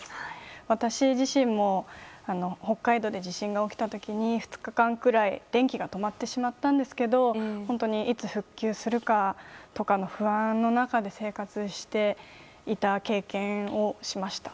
私自身も北海道で地震が起きた時に２日間くらい電気が止まってしまったんですけど本当にいつ復旧するかの不安の中で生活していた経験をしました。